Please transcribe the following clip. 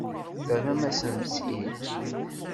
Terram-asent-tt-id?